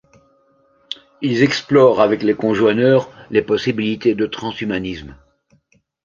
Ils explorent, avec les conjoineurs, les possibilités de transhumanisme.